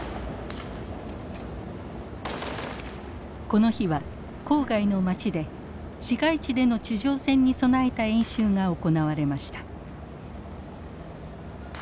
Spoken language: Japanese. この日は郊外の町で市街地での地上戦に備えた演習が行われました。